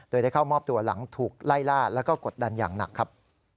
โดยได้เข้ามอบตัวหลังถูกไล่ล่าแล้วก็กดดันอย่างหนักครับ